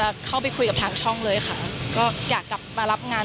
ความสัมพันธ์ของพี่เขามีกันเท่านั้น